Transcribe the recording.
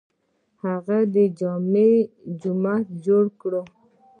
هغه د جامع جومات جوړ کړ.